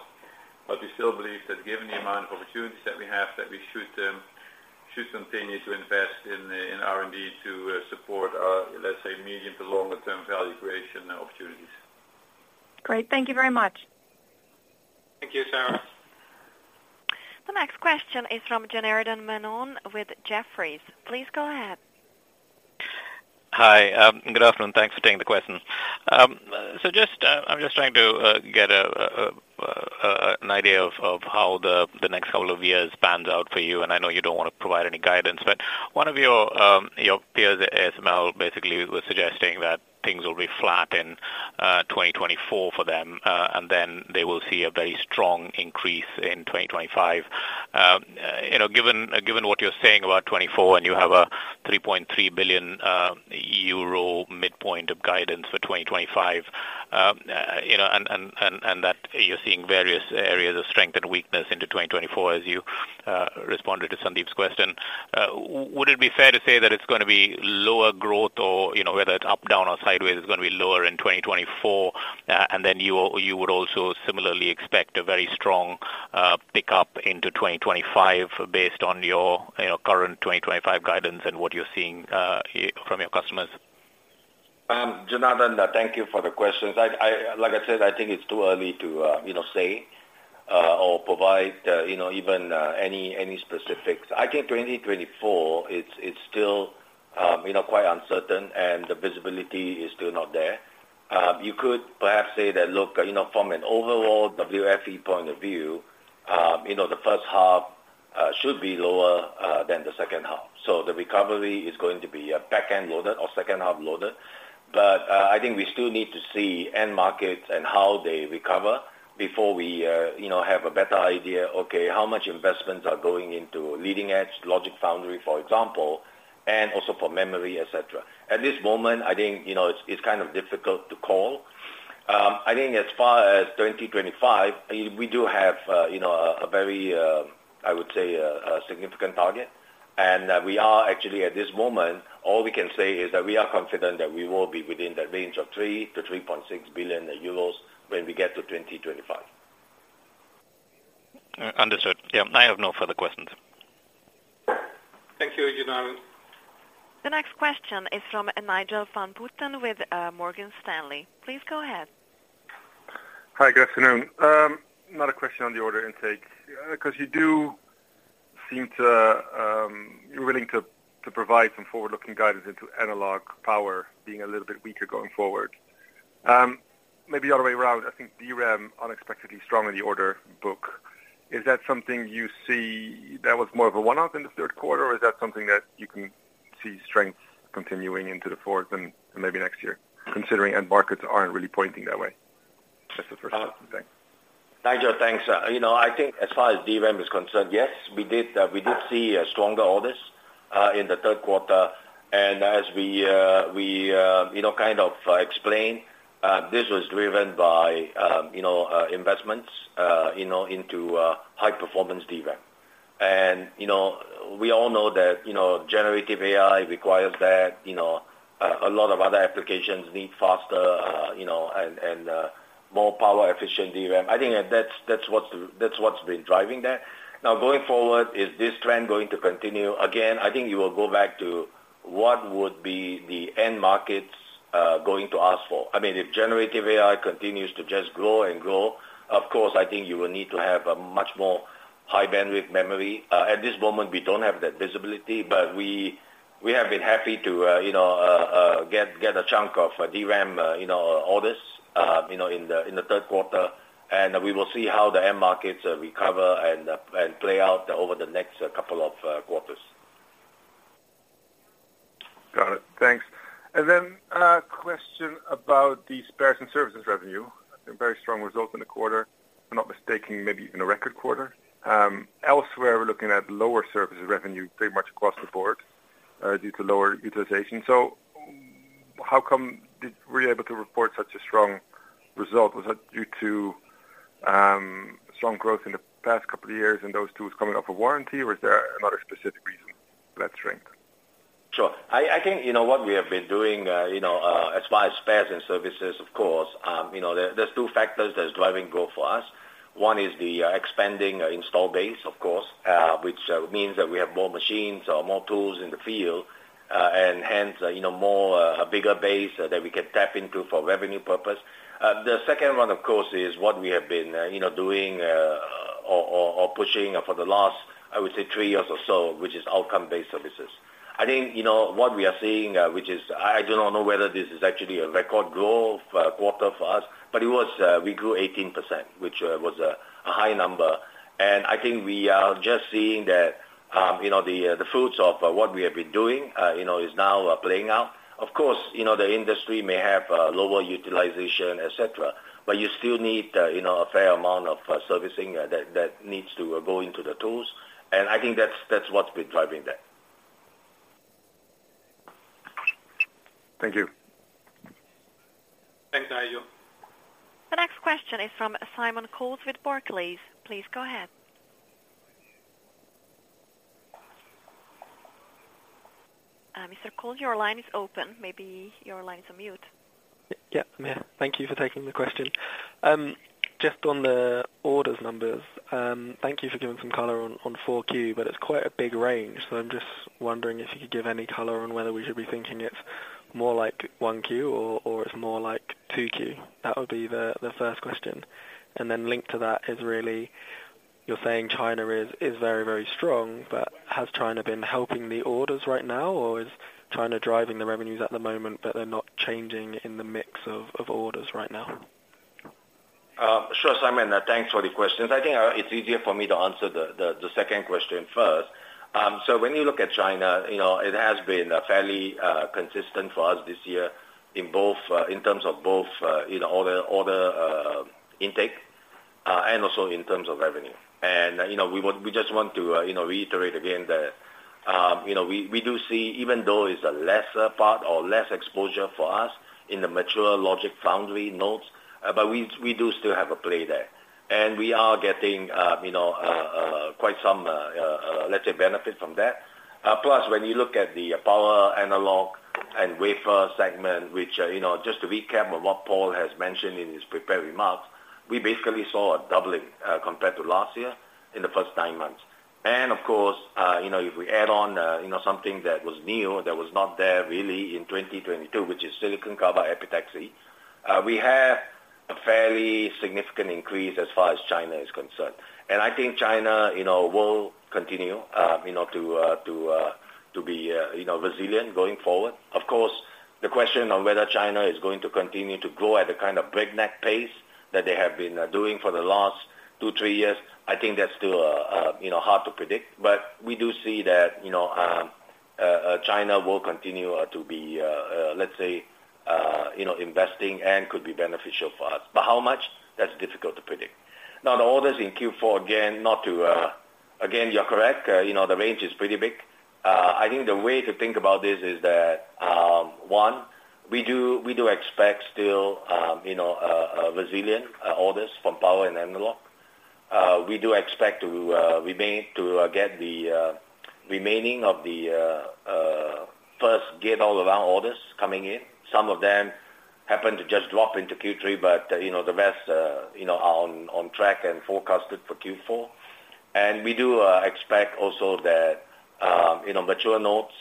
but we still believe that given the amount of opportunities that we have, that we should continue to invest in R&D to support, let's say, medium to longer-term value creation opportunities. Great. Thank you very much. Thank you, Sara. The next question is from Janardan Menon with Jefferies. Please go ahead. Hi, good afternoon. Thanks for taking the question. So just, I'm just trying to get an idea of how the next couple of years pans out for you, and I know you don't want to provide any guidance. But one of your peers at ASML basically was suggesting that things will be flat in 2024 for them, and then they will see a very strong increase in 2025. You know, given what you're saying about 2024, and you have a 3.3 billion euro midpoint of guidance for 2025, you know, and that you're seeing various areas of strength and weakness into 2024, as you responded to Sandeep's question. Would it be fair to say that it's gonna be lower growth or, you know, whether it's up, down, or sideways, it's gonna be lower in 2024, and then you will-- you would also similarly expect a very strong pickup into 2025 based on your, you know, current 2025 guidance and what you're seeing from your customers? Janardan, thank you for the questions. Like I said, I think it's too early to, you know, say, or provide, you know, even, any, any specifics. I think 2024, it's, it's still, you know, quite uncertain, and the visibility is still not there. You could perhaps say that, look, you know, from an overall WFE point of view, you know, the first half, should be lower, than the second half. So the recovery is going to be, back-end loaded or second-half loaded. But, I think we still need to see end markets and how they recover before we, you know, have a better idea, okay, how much investments are going into leading edge, logic foundry, for example, and also for memory, et cetera. At this moment, I think, you know, it's kind of difficult to call. I think as far as 2025, we do have, you know, a very, I would say, a significant target. And we are actually, at this moment, all we can say is that we are confident that we will be within the range of 3 billion-3.6 billion euros when we get to 2025. Understood. Yeah, I have no further questions. Thank you, Janardan. The next question is from Nigel van Putten with Morgan Stanley. Please go ahead. Hi, good afternoon. Another question on the order intake, 'cause you do seem to, you're willing to, to provide some forward-looking guidance into analog power being a little bit weaker going forward. Maybe the other way around, I think DRAM unexpectedly strong in the order book. Is that something you see that was more of a one-off in the third quarter, or is that something that you can see strength continuing into the fourth and, and maybe next year, considering end markets aren't really pointing that way? That's the first question. Thanks. Nigel, thanks. You know, I think as far as DRAM is concerned, yes, we did see stronger orders in the third quarter. And as we, you know, kind of explained, this was driven by, you know, investments, you know, into high-performance DRAM. And, you know, we all know that, you know, generative AI requires that, you know, a lot of other applications need faster, you know, and more power-efficient DRAM. I think that's what's been driving that. Now, going forward, is this trend going to continue? Again, I think you will go back to what would be the end markets going to ask for. I mean, if generative AI continues to just grow and grow, of course, I think you will need to have a much more high-bandwidth memory. At this moment, we don't have that visibility, but we, we have been happy to, you know, get, get a chunk of DRAM, you know, orders, in the, in the third quarter. And we will see how the end markets, recover and, and play out over the next couple of, quarters. Got it. Thanks. Then, question about the Spares & Services Revenue. A very strong result in the quarter. If I'm not mistaking, maybe even a record quarter. Elsewhere, we're looking at lower services revenue pretty much across the board, due to lower utilization. So how come were you able to report such a strong result? Was that due to strong growth in the past couple of years, and those two was coming off a warranty, or is there another specific reason for that strength? Sure. I think, you know, what we have been doing, you know, as far as spares and services, of course, you know, there's two factors that is driving growth for us. One is the expanding install base, of course, which means that we have more machines or more tools in the field, and hence, you know, more, a bigger base that we can tap into for revenue purpose. The second one, of course, is what we have been, you know, doing, or pushing for the last, I would say, three years or so, which is Outcome-based services. I think, you know, what we are seeing, which is, I do not know whether this is actually a record growth quarter for us, but it was, we grew 18%, which was a, a high number. I think we are just seeing that, you know, the, the fruits of what we have been doing, you know, is now playing out. Of course, you know, the industry may have lower utilization, et cetera, but you still need, you know, a fair amount of servicing that, that needs to go into the tools, and I think that's, that's what's been driving that. Thank you. Thanks, Nigel. The next question is from Simon Coles with Barclays. Please go ahead. Mr. Coles, your line is open. Maybe your line is on mute. Yeah, I'm here. Thank you for taking the question. Just on the orders numbers, thank you for giving some color on 4Q, but it's quite a big range. So I'm just wondering if you could give any color on whether we should be thinking it's more like 1Q or it's more like 2Q? That would be the first question. And then linked to that is really... You're saying China is very, very strong, but has China been helping the orders right now, or is China driving the revenues at the moment, but they're not changing in the mix of orders right now? Sure, Simon, thanks for the question. I think it's easier for me to answer the second question first. So when you look at China, you know, it has been fairly consistent for us this year, in both in terms of both order intake and also in terms of revenue. And, you know, we want we just want to, you know, reiterate again that, you know, we do see, even though it's a lesser part or less exposure for us in the mature logic foundry nodes, but we do still have a play there. And we are getting, you know, quite some, let's say, benefit from that. Plus, when you look at the power analog and wafer segment, which, you know, just to recap on what Paul has mentioned in his prepared remarks, we basically saw a doubling, compared to last year in the first nine months. And of course, you know, if we add on, you know, something that was new, that was not there really in 2022, which is silicon carbide epitaxy, we have a fairly significant increase as far as China is concerned. And I think China, you know, will continue, you know, to be, you know, resilient going forward. Of course, the question on whether China is going to continue to grow at the kind of breakneck pace that they have been doing for the last two, three years, I think that's still, you know, hard to predict. But we do see that, you know, China will continue to be, let's say, you know, investing and could be beneficial for us. But how much? That's difficult to predict. Now, the orders in Q4, again... Again, you're correct, you know, the range is pretty big. I think the way to think about this is that, one, we do, we do expect still, you know, resilient orders from power and analog. We do expect to remain to get the remaining of the first Gate-All-Around orders coming in. Some of them happened to just drop into Q3, but, you know, the rest, you know, are on, on track and forecasted for Q4. And we do expect also that you know mature nodes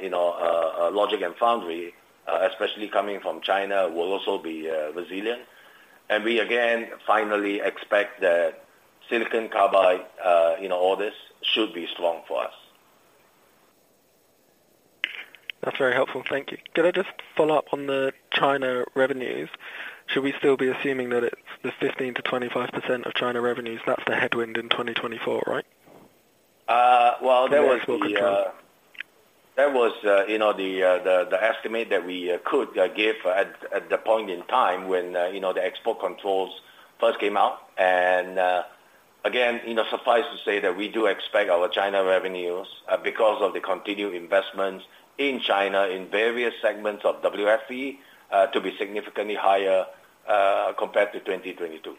you know logic and foundry especially coming from China will also be resilient. And we again finally expect that silicon carbide you know orders should be strong for us. That's very helpful. Thank you. Could I just follow up on the China revenues? Should we still be assuming that it's the 15%-25% of China revenues, that's the headwind in 2024, right? Well, that was the, From the export control. That was, you know, the estimate that we could give at the point in time when, you know, the export controls first came out. And, again, you know, suffice to say that we do expect our China revenues, because of the continued investments in China in various segments of WFE, to be significantly higher, compared to 2022.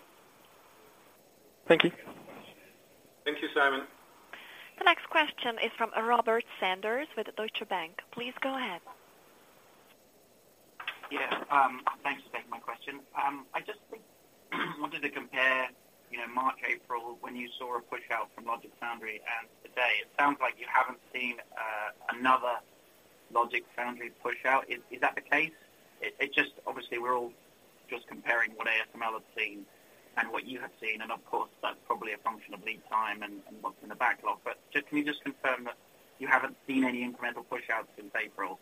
Thank you. Thank you, Simon. The next question is from Robert Sanders with Deutsche Bank. Please go ahead. Yeah, thanks for taking my question. I just think, wanted to compare, you know, March, April, when you saw a pushout from Logic Foundry and today. It sounds like you haven't seen, another Logic Foundry pushout. Is that the case? It just-- obviously, we're all just comparing what ASML have seen and what you have seen, and of course, that's probably a function of lead time and, and what's in the backlog. But just, can you just confirm that you haven't seen any incremental pushouts since April?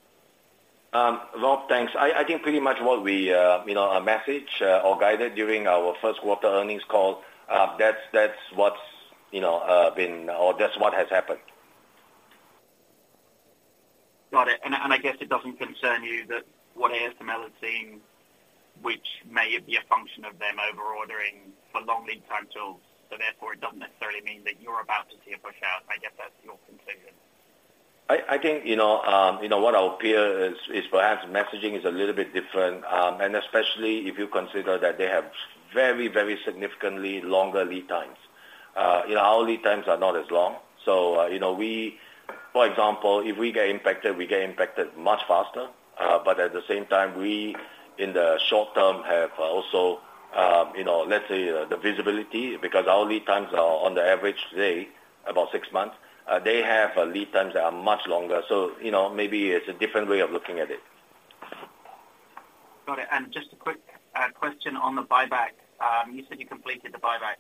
Rob, thanks. I think pretty much what we, you know, messaged or guided during our first quarter earnings call, that's what's, you know, been, or that's what has happened. Got it. And I guess it doesn't concern you that what ASML has seen, which may be a function of them over ordering for long lead time tools, so therefore, it doesn't necessarily mean that you're about to see a pushout. I guess that's your conclusion. I think, you know, what our peer is perhaps messaging is a little bit different, and especially if you consider that they have very, very significantly longer lead times. You know, our lead times are not as long. So, you know, we, for example, if we get impacted, we get impacted much faster. But at the same time, we, in the short term, have also, you know, let's say, the visibility, because our lead times are on the average today, about six months. They have lead times that are much longer. So, you know, maybe it's a different way of looking at it. Got it. And just a quick question on the buyback. You said you completed the buyback.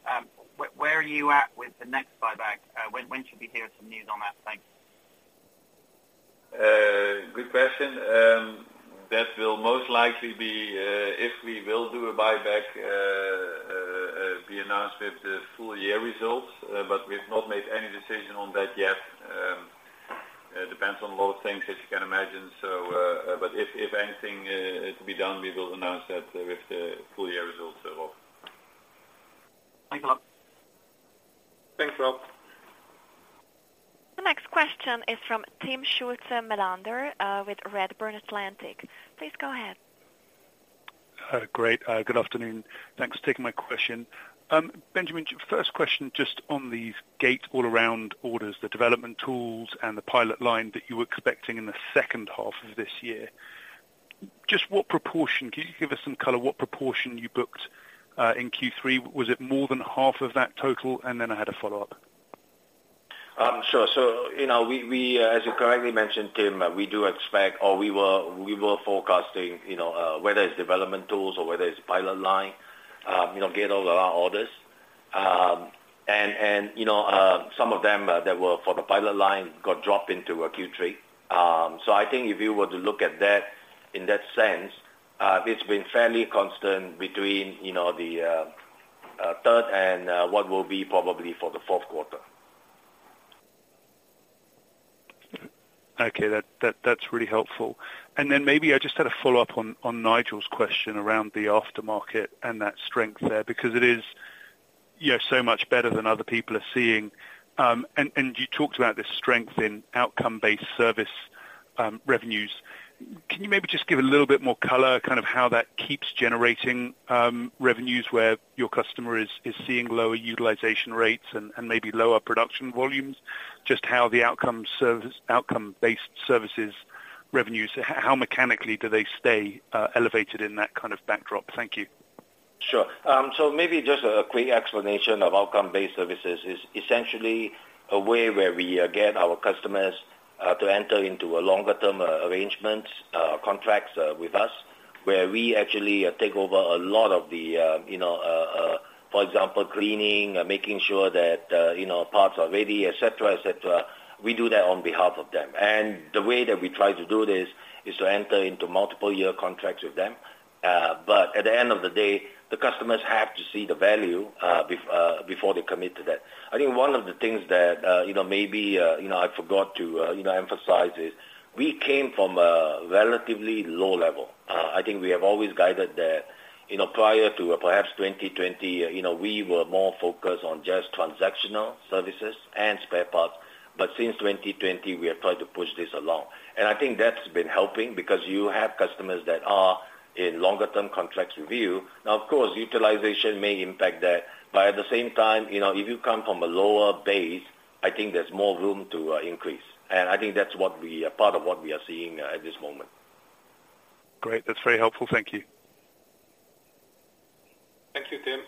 Where are you at with the next buyback? When should we hear some news on that? Thanks. Good question. That will most likely be, if we will do a buyback, be announced with the full year results, but we have not made any decision on that yet. Depends on a lot of things, as you can imagine. So, but if, if anything, to be done, we will announce that with the full year results as well. Thanks a lot. Thanks, Rob. The next question is from Timm Schulze-Melander, with Redburn Atlantic. Please go ahead. Great. Good afternoon. Thanks for taking my question. Benjamin, first question, just on these gate-all-around orders, the development tools and the pilot line that you were expecting in the second half of this year. Just what proportion. Can you give us some color, what proportion you booked in Q3? Was it more than half of that total? And then I had a follow-up. Sure. So, you know, as you correctly mentioned, Timm, we do expect or we were forecasting, you know, whether it's development tools or whether it's pilot line, you know, get all of our orders. And, you know, some of them that were for the pilot line got dropped into Q3. So, I think if you were to look at that in that sense, it's been fairly constant between, you know, the third and what will be probably for the fourth quarter. Okay, that's really helpful. And then maybe I just had a follow-up on Nigel's question around the aftermarket and that strength there, because it is, you know, so much better than other people are seeing. And you talked about this strength in outcome-based services revenues. Can you maybe just give a little bit more color, kind of how that keeps generating revenues where your customer is seeing lower utilization rates and maybe lower production volumes? Just how the outcome service-- outcome-based services revenues, how mechanically do they stay elevated in that kind of backdrop? Thank you. Sure. So maybe just a quick explanation of Outcome-based services is essentially a way where we get our customers to enter into a longer-term arrangement, contracts with us, where we actually take over a lot of the, you know, for example, cleaning, making sure that, you know, parts are ready, et cetera, et cetera. We do that on behalf of them. And the way that we try to do this is to enter into multiple year contracts with them. But at the end of the day, the customers have to see the value, before they commit to that. I think one of the things that, you know, maybe, you know, I forgot to, you know, emphasize is, we came from a relatively low level. I think we have always guided that, you know, prior to perhaps 2020, you know, we were more focused on just transactional services and spare parts, but since 2020, we have tried to push this along. I think that's been helping because you have customers that are in longer term contracts with you. Now, of course, utilization may impact that, but at the same time, you know, if you come from a lower base, I think there's more room to increase. I think that's what we are, part of what we are seeing at this moment. Great. That's very helpful. Thank you. Thank you, Timm.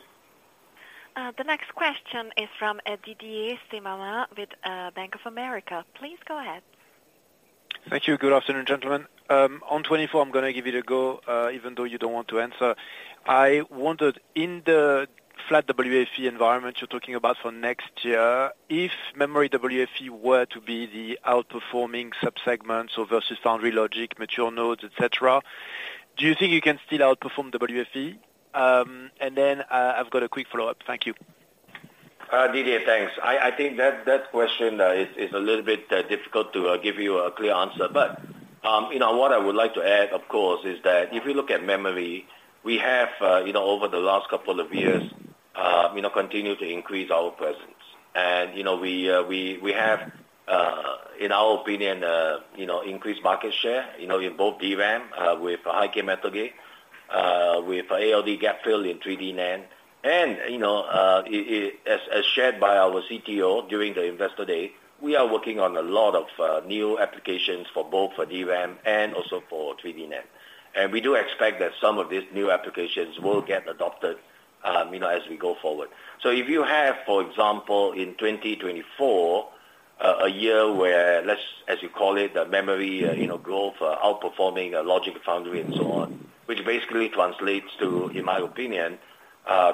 The next question is from Didier Scemama with Bank of America. Please go ahead. Thank you. Good afternoon, gentlemen. On 2024, I'm gonna give it a go, even though you don't want to answer. I wondered, in the flat WFE environment you're talking about for next year, if memory WFE were to be the outperforming subsegments or versus foundry logic, mature nodes, et cetera, do you think you can still outperform WFE? And then, I've got a quick follow-up. Thank you. Didier, thanks. I think that question is a little bit difficult to give you a clear answer. But, you know, what I would like to add, of course, is that if you look at memory, we have, you know, over the last couple of years, you know, continued to increase our presence. And, you know, we, we have, in our opinion, you know, increased market share, you know, in both DRAM, with high-k metal gate, with ALD gap fill in 3D NAND. And, you know, as shared by our CTO during the Investor Day, we are working on a lot of new applications for both for DRAM and also for 3D NAND. We do expect that some of these new applications will get adopted, you know, as we go forward. If you have, for example, in 2024, a year where, let's, as you call it, the memory, you know, growth, outperforming logic, foundry and so on, which basically translates to, in my opinion,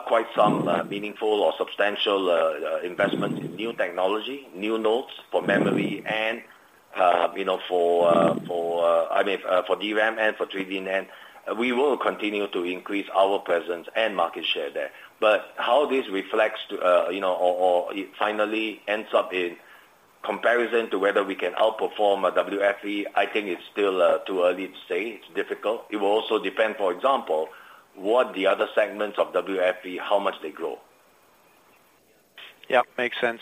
quite some meaningful or substantial investment in new technology, new nodes for memory and, you know, for, I mean, for DRAM and for 3D NAND, we will continue to increase our presence and market share there. But how this reflects to, you know, or, or it finally ends up in comparison to whether we can outperform a WFE, I think it's still too early to say. It's difficult. It will also depend, for example, what the other segments of WFE, how much they grow. Yeah, makes sense.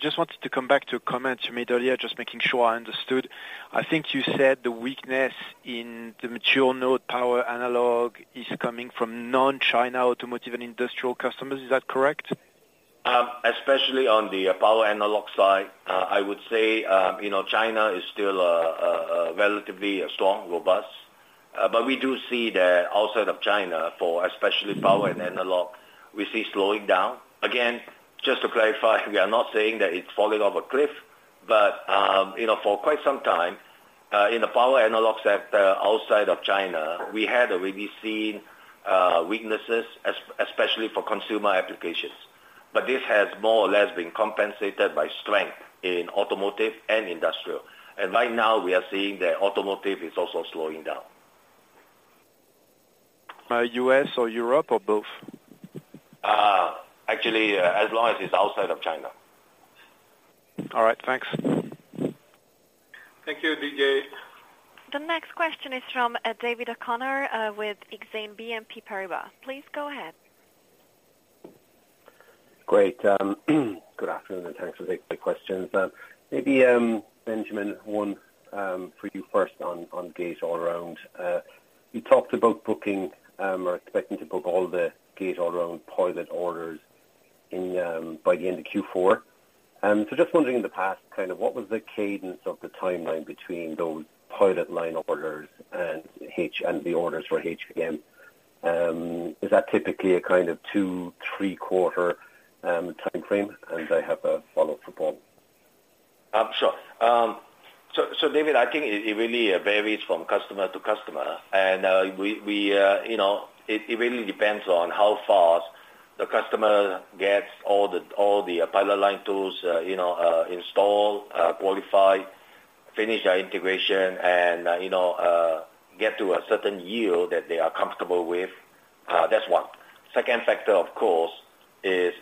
Just wanted to come back to a comment you made earlier, just making sure I understood. I think you said the weakness in the mature node power analog is coming from non-China automotive and industrial customers. Is that correct? Especially on the power analog side, I would say, you know, China is still relatively strong, robust. But we do see that outside of China, for especially power and analog, we see slowing down. Again, just to clarify, we are not saying that it's falling off a cliff, but, you know, for quite some time, in the power analog sector outside of China, we had already seen weaknesses, especially for consumer applications. But this has more or less been compensated by strength in automotive and industrial. And right now, we are seeing that automotive is also slowing down. U.S. or Europe or both? Actually, as long as it's outside of China. All right. Thanks. Thank you, Didier. The next question is from David O'Connor with Exane BNP Paribas. Please go ahead. Great. Good afternoon, and thanks for taking my questions. Maybe, Benjamin, one for you first on Gate-All-Around. You talked about booking or expecting to book all the Gate-All-Around pilot orders by the end of Q4. So just wondering in the past, kind of what was the cadence of the timeline between those pilot line orders and HKMG and the orders for HKMG? Is that typically a kind of two- or three-quarter time frame? And I have a follow-up for Paul. Sure. So, David, I think it really varies from customer to customer. And, you know, it really depends on how fast the customer gets all the pilot line tools, you know, installed, qualified, finish our integration and, you know, get to a certain yield that they are comfortable with. That's one. Second factor, of course, is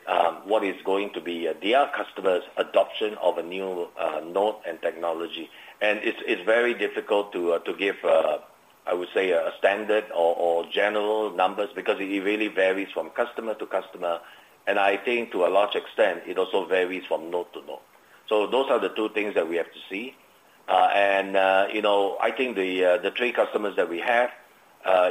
what is going to be the customer's adoption of a new node and technology. And it's very difficult to give, I would say, a standard or general numbers, because it really varies from customer to customer, and I think to a large extent, it also varies from node to node. So those are the two things that we have to see. And, you know, I think the three customers that we have,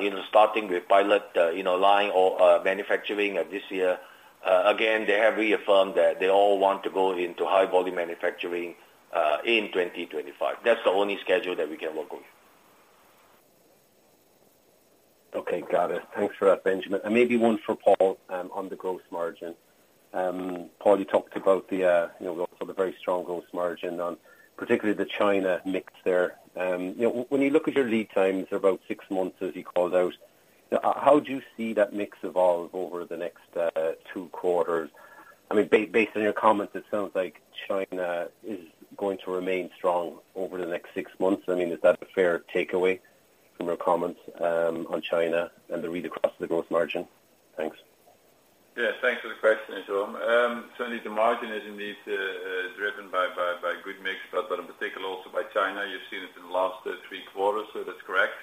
you know, starting with pilot line or manufacturing of this year, again, they have reaffirmed that they all want to go into high volume manufacturing in 2025. That's the only schedule that we can work with. Okay, got it. Thanks for that, Benjamin. And maybe one for Paul, on the gross margin. Paul, you talked about the, you know, for the very strong gross margin on particularly the China mix there. You know, when you look at your lead times, about six months, as you called out, how do you see that mix evolve over the next, two quarters? I mean, based on your comments, it sounds like China is going to remain strong over the next six months. I mean, is that a fair takeaway from your comments, on China and the read across the gross margin? Thanks. Yes, thanks for the question, so certainly the margin is indeed driven by good mix, but in particular also by China. You've seen it in the last three quarters, so that's correct.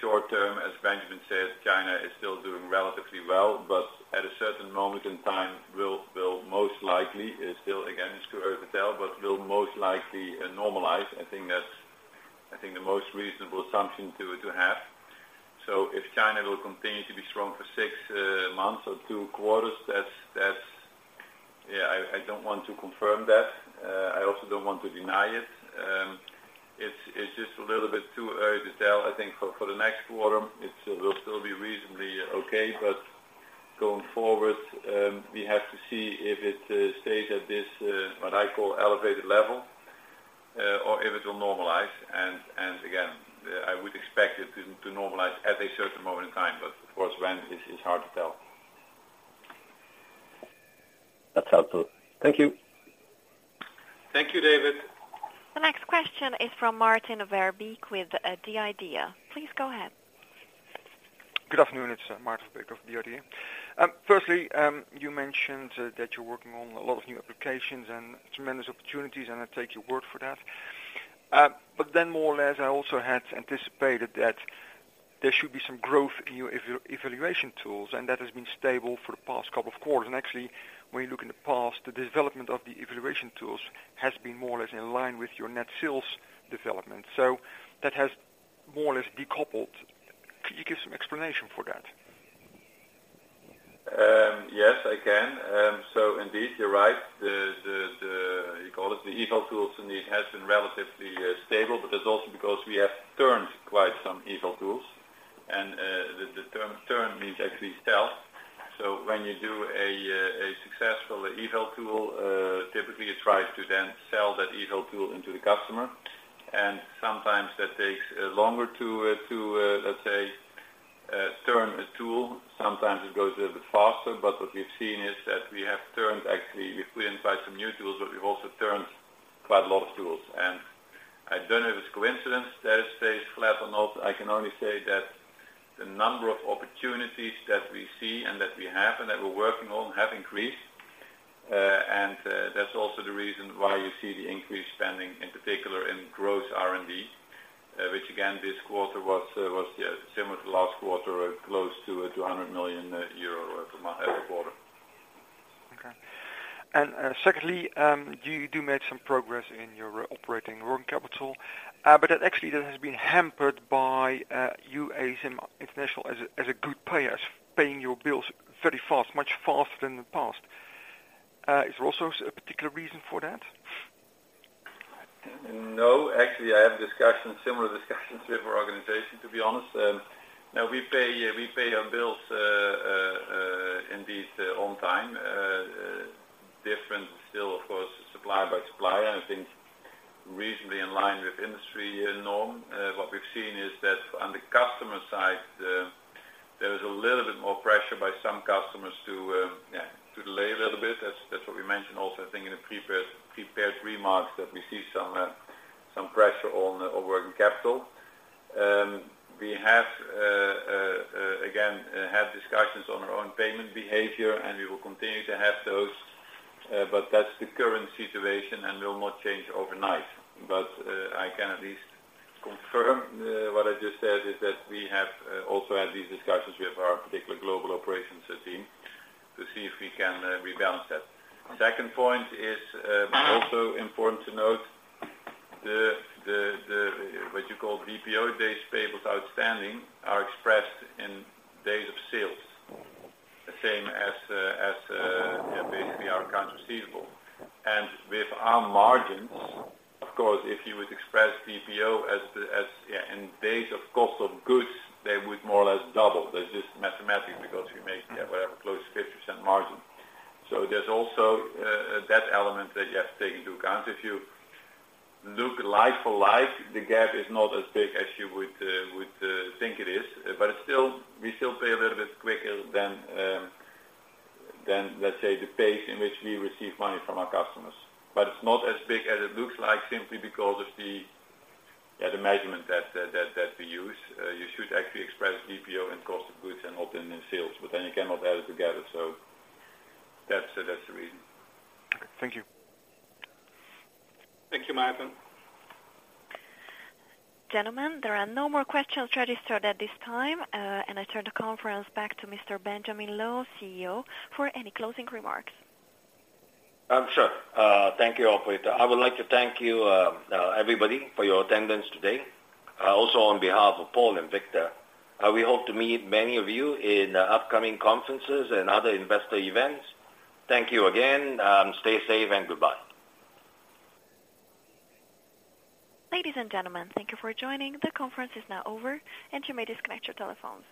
Short term, as Benjamin said, China is still doing relatively well, but at a certain moment in time will most likely normalize. It's still, again, too early to tell. I think that's the most reasonable assumption to have. So if China will continue to be strong for six months or two quarters, that's... Yeah, I don't want to confirm that. I also don't want to deny it. It's just a little bit too early to tell. I think for the next quarter, it will still be reasonably okay, but going forward, we have to see if it stays at this what I call elevated level, or if it will normalize. And again, I would expect it to normalize at a certain moment in time, but of course, when it's hard to tell. That's helpful. Thank you. Thank you, David. The next question is from Maarten Verbeek with the DDA. Please go ahead. Good afternoon, it's Maarten Verbeek of DDA. Firstly, you mentioned that you're working on a lot of new applications and tremendous opportunities, and I take your word for that. But then, more or less, I also had anticipated that there should be some growth in your evaluation tools, and that has been stable for the past couple of quarters. Actually, when you look in the past, the development of the evaluation tools has been more or less in line with your net sales development. So that has more or less decoupled. Can you give some explanation for that? Yes, I can. So indeed, you're right. The, you call it, the eval tools indeed has been relatively stable, but that's also because we have turned quite some eval tools. And the term turn means actually sell. So when you do a successful eval tool, typically you try to then sell that eval tool into the customer. And sometimes that takes longer to, let's say, turn a tool. Sometimes it goes a little bit faster, but what we've seen is that we have turned actually, if we invite some new tools, but we've also turned quite a lot of tools. And I don't know if it's coincidence that it stays flat or not. I can only say that the number of opportunities that we see and that we have and that we're working on have increased. And that's also the reason why you see the increased spending, in particular, in gross R&D, which again, this quarter was, yeah, similar to last quarter, close to 200 million euro every quarter. Okay. Secondly, you do make some progress in your operating working capital, but that actually that has been hampered by, you as ASM International, as a, as a good player, as paying your bills very fast, much faster than the past. Is there also a particular reason for that? No, actually, I have discussions, similar discussions with our organization, to be honest. Now we pay, we pay our bills, indeed, on time, different still, of course, supplier by supplier, and I think reasonably in line with industry norm. What we've seen is that on the customer side, there is a little bit more pressure by some customers to, yeah, to delay a little bit. That's, that's what we mentioned also, I think in the prepared, prepared remarks, that we see some, some pressure on our working capital. We have, again, have discussions on our own payment behavior, and we will continue to have those, but that's the current situation and will not change overnight. But I can at least confirm what I just said, is that we have also had these discussions with our particular global operations team to see if we can rebalance that. Second point is also important to note, the what you call DPO, Days Payables Outstanding, are expressed in days of sales, the same as, yeah, basically our accounts receivable. And with our margins, of course, if you would express DPO as the, yeah, in days of cost of goods, they would more or less double. That's just mathematics, because we make, yeah, whatever, close to 50% margin. So there's also that element that you have to take into account. If you look like for like, the gap is not as big as you would think it is. But still, we still pay a little bit quicker than, let's say, the pace in which we receive money from our customers. But it's not as big as it looks like, simply because of the measurement that we use. You should actually express DPO and cost of goods and not in sales, but then you cannot add it together. So that's the reason. Thank you. Thank you, Maarten. Gentlemen, there are no more questions registered at this time, and I turn the conference back to Mr. Benjamin Loh, CEO, for any closing remarks. Sure. Thank you, Operator. I would like to thank you, everybody for your attendance today, also on behalf of Paul and Victor. We hope to meet many of you in upcoming conferences and other investor events. Thank you again. Stay safe and goodbye. Ladies and gentlemen, thank you for joining. The conference is now over, and you may disconnect your telephones.